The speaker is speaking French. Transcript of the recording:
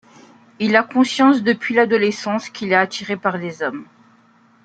Il a conscience depuis l'adolescence qu'il est attiré par les hommes.